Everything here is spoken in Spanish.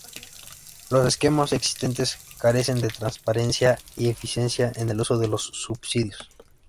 Los esquemas existentes carecen de transparencia y eficiencia en el uso de los subsidios.